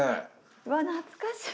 うわ懐かしい！